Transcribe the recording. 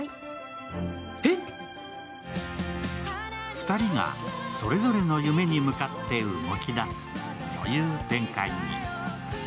２人がそれぞれの夢に向かって動き出すという展開に。